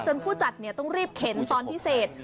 จนผู้จัดเนี่ยต้องรีบเข็นตอนพิเศษ